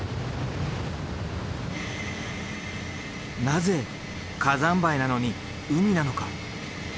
なぜ火山灰なのに海なのか？